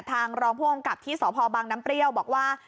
รองผู้กำกับที่สพบังน้ำเปรี้ยวบอกว่า